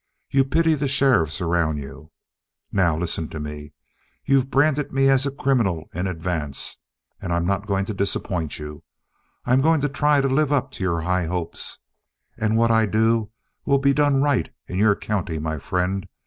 You pity the sheriffs around you. Now listen to me. You've branded me as a criminal in advance. And I'm not going to disappoint you. I'm going to try to live up to your high hopes. And what I do will be done right in your county, my friend.